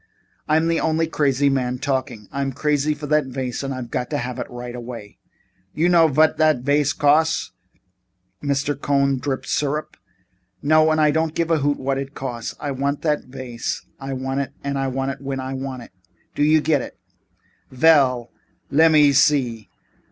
I'm the only crazy man talking. I'm crazy for that vase and I've got to have it right away." "You know vot dot vase costs?" Mr. B. Cohn's voice dripped syrup. "No, and I don't give a hoot what it costs. I want what I want when I want it. Do I get it?" "Ve ell, lemme see.